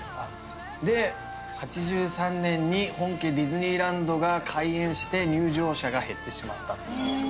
で８３年に本家ディズニーランドが開園して入場者が減ってしまったと。